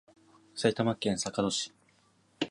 埼玉県坂戸市